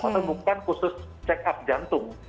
atau bukan khusus check up jantung